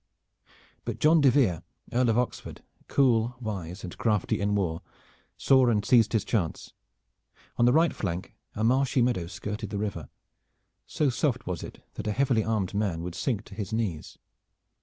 But John de Vere, Earl of Oxford, cool, wise and crafty in war, saw and seized his chance. On the right flank a marshy meadow skirted the river. So soft was it that a heavily armed man would sink to his knees.